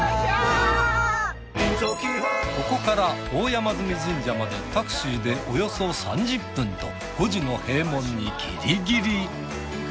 ここから大山神社までタクシーで５時の閉門にギリギリ。